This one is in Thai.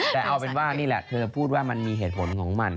แต่เอาเป็นว่านี่แหละเธอพูดว่ามันมีเหตุผลของมัน